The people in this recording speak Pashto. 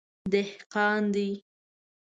_دهقان دی.